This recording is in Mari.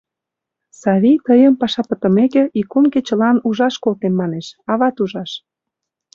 Савий тыйым, паша пытымеке, ик кум кечылан ужаш колтем манеш, ават ужаш...